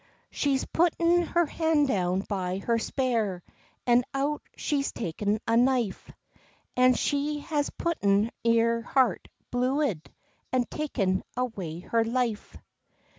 She's putten her hand down by her spare And out she's taen a knife, And she has putn't in her heart's bluid, And taen away her life.